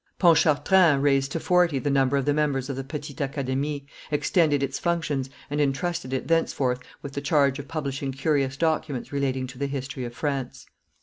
Pontchartrain raised to forty the number of the members of the petite acadamie, extended its functions, and intrusted it thenceforth with the charge of publishing curious documents relating to the history of France.